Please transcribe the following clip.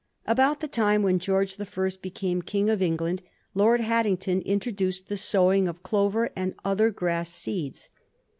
About the time when George the First became King of England, Lord Haddington introduced the sowing of clover and other gras& seeds.